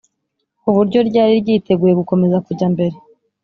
ku buryo ryari ryiteguye gukomeza kujya mbere